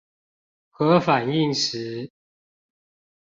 核反應時